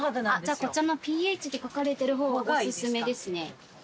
じゃあこちらの「ｐＨ」って書かれてる方がおすすめですね。